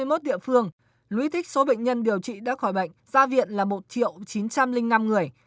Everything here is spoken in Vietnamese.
ở hai mươi một địa phương lưu ý thích số bệnh nhân điều trị đã khỏi bệnh gia viện là một chín trăm linh năm người